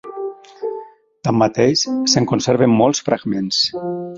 Tanmateix, se'n conserven molts fragments.